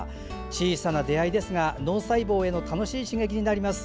小さな出会いですが脳細胞への楽しい刺激になります。